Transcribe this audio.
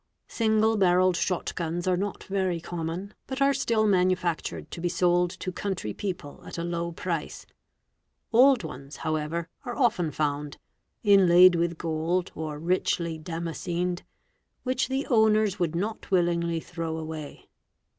Single barrelled shot guns are not very common, but are still manufac tured to be sold to country people at alow price. Old ones, however, are often found, inlaid with gold or richly damascened, which the owners would not willingly throw away.